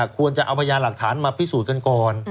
ควรจะเอาพยานหลักฐานมาพิสูจน์กันก่อน